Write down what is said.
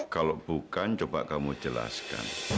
kalau bukan coba kamu jelaskan